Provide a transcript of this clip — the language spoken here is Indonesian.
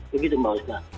begitu mbak wisma